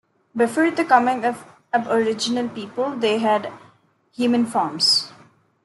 Before the coming of Aboriginal people they had human forms.